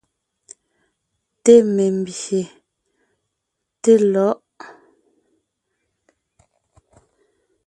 Té membÿe, té lɔ̌ʼ.